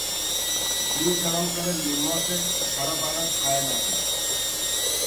ଦୁଇଜଣଙ୍କର ନିମଷେ ଛାଡ଼ବାଡ଼ ଥାଏନାହିଁ ।